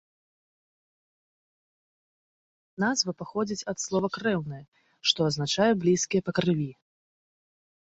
Назва паходзіць ад слова крэўныя, што азначае блізкія па крыві.